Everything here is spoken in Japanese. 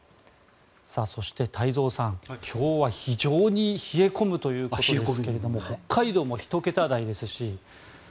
そして太蔵さん、今日は非常に冷え込むということですけれども北海道も１桁台ですし。